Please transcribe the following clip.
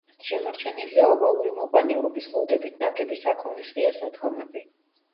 შემორჩენილია ოვალური მოყვანილობის, ლოდებით ნაგები საქონლის ღია სადგომები.